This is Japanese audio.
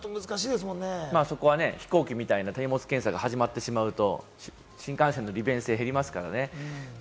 そこは飛行機みたいな手荷物検査が始まってしまうと、新幹線の利便性が減りますからね。